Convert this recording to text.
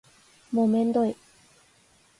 もうめんどい